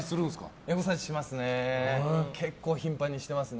結構頻繁にしますね。